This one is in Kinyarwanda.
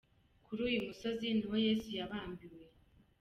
Kuri yu musozi niho Yesu yabambwe.